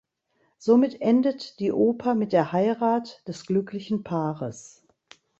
Somit endet die Oper mit der Heirat des glücklichen Paares.